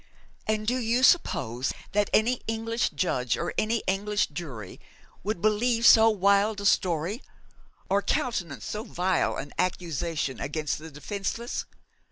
'And do you suppose that any English judge or English jury would believe so wild a story or countenance so vile an accusation against the defenceless?'